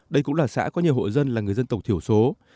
đây cũng là xã có nhiều hộ dân là người dân tộc thiểu số